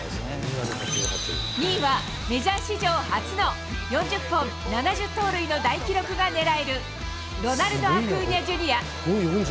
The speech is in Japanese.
２位は、メジャー史上初の４０本７０盗塁の大記録が狙える、ロナルド・アクーニャ・ジュニア。